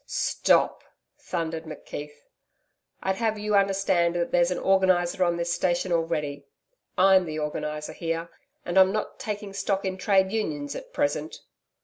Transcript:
'Stop,' thundered McKeith. 'I'd have you understand that there's an organiser on this station already. I'M the Organiser here, and I'm not taking stock in Trades Unions at present.'